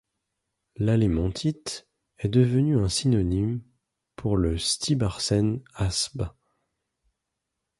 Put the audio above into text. L'allémontite est devenue un synonyme pour le stibarsen AsSb.